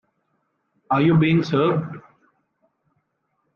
Are You Being Served?